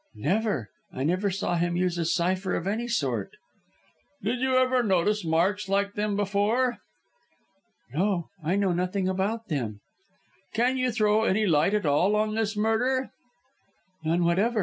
"Never. I never saw him use a cypher of any sort." "Did you ever notice marks like them before?" "No. I know nothing about them." "Can you throw any light at all on this murder?" "None whatever.